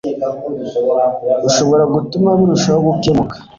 ushobora gutuma birushaho gukemuka